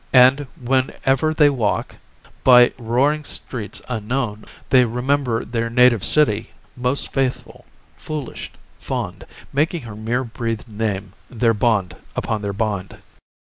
And whenever they walk "by roaring streets unknown" they remember their native city "most faithful, foolish, fond; making her mere breathed name their bond upon their bond."